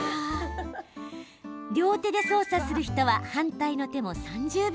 両手で操作する人は反対の手も３０秒。